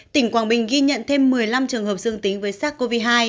tỉnh quảng bình ghi nhận thêm một mươi năm trường hợp dương tính với sars cov hai